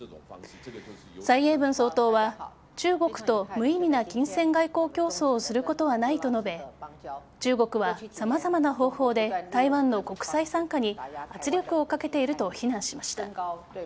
蔡英文総統は、中国と無意味な金銭外交競争をすることはないと述べ中国は様々な方法で台湾の国際参加に圧力をかけていると非難しました。